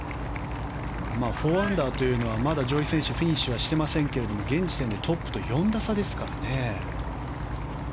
４アンダーというのはまだ上位選手はフィニッシュしていませんが現時点でトップと４打差ですからね。